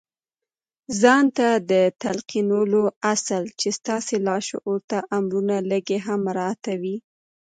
ځان ته د تلقينولو اصل چې ستاسې لاشعور ته امرونه لېږي هم مراعتوئ.